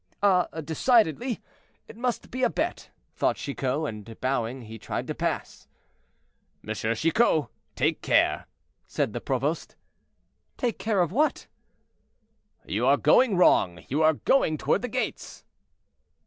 "Ah, decidedly! It must be a bet," thought Chicot; and, bowing, he tried to pass on. "M. Chicot, take care!" said the provost. "Take care of what?" "You are going wrong; you are going toward the gates."